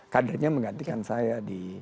kadernya menggantikan saya